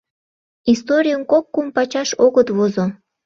Историйым кок-кум пачаш огыт возо.